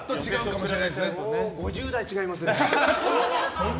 ５０代違いますね。